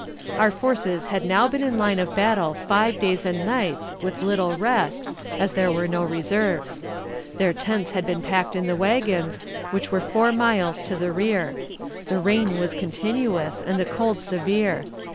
Our forces had now been in line of battle five days and nights, with little rest, as there were no reserves. Their tents had been packed in the wagons, which were four miles to the rear. The rain was continuous, and the cold severe.